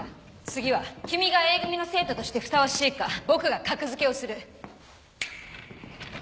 次は君がＡ組の生徒としてふさわしいか僕が格付けをする。